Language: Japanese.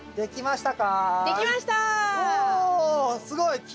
すごい！